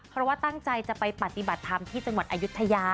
เพราะว่าตั้งใจจะไปปฏิบัติธรรมที่จังหวัดอายุทยา